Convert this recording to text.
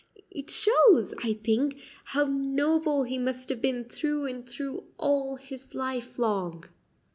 It shows, I think, how noble he must have been through and through all his life long."